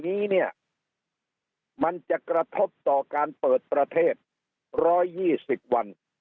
นี้เนี้ยมันจะกระทบต่อการเปิดประเทศร้อยยี่สิบวัน